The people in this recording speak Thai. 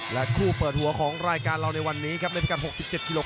และคู่เปิดหัวของรายการเราในวันนี้ครับในพยายาม๖๗กิโลกรัม